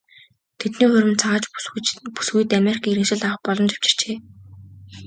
Тэдний хурим цагаач бүсгүйд Америкийн иргэншил авах боломж авчирчээ.